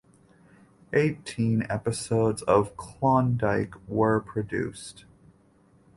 Eighteen episodes of "Klondike" were produced.